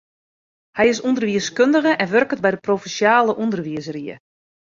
Hy is ûnderwiiskundige en wurket by de provinsjale ûnderwiisrie.